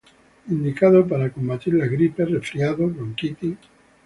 Indicado para combatir la gripe, resfriados, bronquitis.